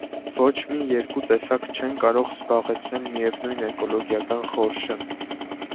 Ոչ մի երկու տեսակ չեն կարող զբաղեցնել միևնույն էկոլոգիական խորշը։